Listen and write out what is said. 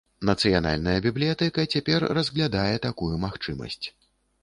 Нацыянальная бібліятэка цяпер разглядае такую магчымасць.